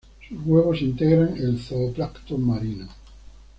Sus huevos integran el zooplancton marino.